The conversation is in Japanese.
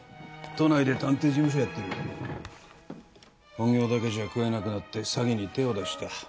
都内で探偵事務所をやってる本業だけじゃ食えなくなって詐欺に手を出した